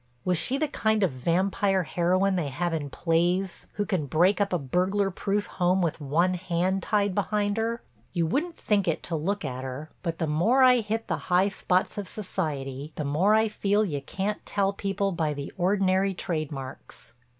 Was she the kind of vampire heroine they have in plays who can break up a burglar proof home with one hand tied behind her? You wouldn't think it to look at her—but the more I hit the high spots of society the more I feel you can't tell people by the ordinary trade marks.